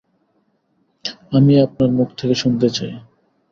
আমি আপনার মুখ থেকে শুনতে চাই।